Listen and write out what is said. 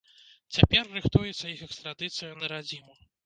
Цяпер рыхтуецца іх экстрадыцыя на радзіму.